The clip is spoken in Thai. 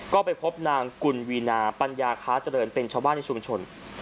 ก็ไปพบนางกุลวีนาปัญญาค้าเจริญเป็นชาวบ้านในชุมชน